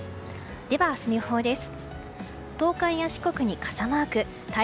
では、明日の予報です。